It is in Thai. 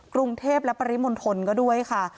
กรุงเทพและปริมณฑลก็ด้วยค่ะ